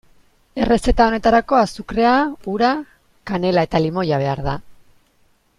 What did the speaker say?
Errezeta honetarako azukrea, ura, kanela eta limoia behar da.